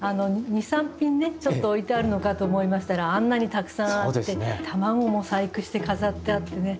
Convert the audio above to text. ２３品ちょっと置いてあるのかと思いましたらあんなにたくさんあって卵も細工して飾ってあってね。